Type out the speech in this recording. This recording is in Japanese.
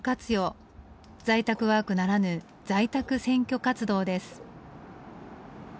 在宅ワークならぬ在宅選挙活動です。